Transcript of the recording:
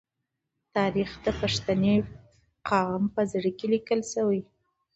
تاریخ د پښتني قام په زړه کې لیکل شوی.